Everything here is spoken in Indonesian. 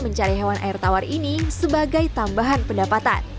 mencari hewan air tawar ini sebagai tambahan pendapatan